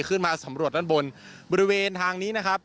ขึ้นมาสำรวจด้านบนบริเวณทางนี้นะครับ